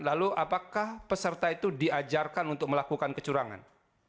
lalu apakah peserta itu diajarkan untuk melakukan kecurangan